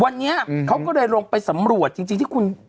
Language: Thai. วันนี้เขาก็เลยลงไปสำรวจจริงที่คุณ